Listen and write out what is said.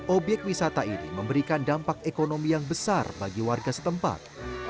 obyek wisata ini memberikan dampak ekonomi yang besar bagi warga setempat